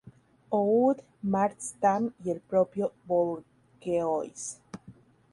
Oud, Mart Stam y el propio Bourgeois.